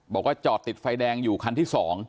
บอกว่าจอดติดไฟแดงอยู่คันที่๒